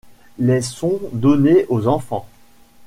Les sont données aux enfants.